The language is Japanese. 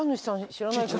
知らないかな。